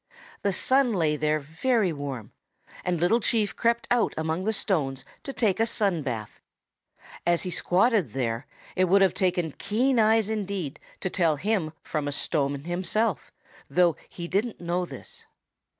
The sun lay there very warm, and Little Chief crept out among the stones to take a sun bath; as he squatted there it would have taken keen eyes indeed to tell him from a stone himself, though he didn't know this.